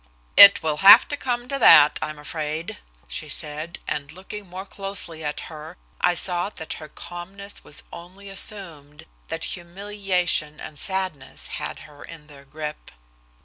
"It will have to come to that, I am afraid," she said, and looking more closely at her I saw that her calmness was only assumed, that humiliation and sadness had her in their grip.